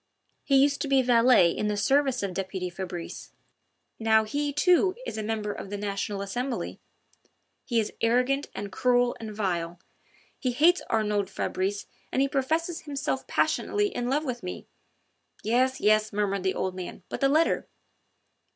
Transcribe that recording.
"He used to be valet in the service of deputy Fabrice. Now he, too, is a member of the National Assembly ... he is arrogant and cruel and vile. He hates Arnould Fabrice and he professes himself passionately in love with me." "Yes, yes!" murmured the old man, "but the letter?"